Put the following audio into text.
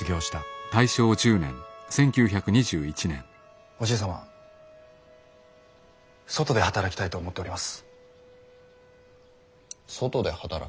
横浜正金銀行で働きたいと思っております。